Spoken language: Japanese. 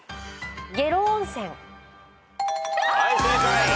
はい正解。